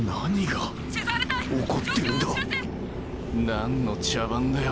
なんの茶番だよ？